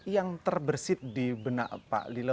yang terbersih di benak pak lila